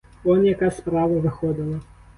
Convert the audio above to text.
Он яка справа виходила!